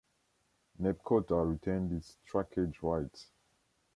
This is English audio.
Nebkota retained its trackage rights.